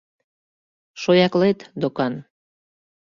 Шояклет докан.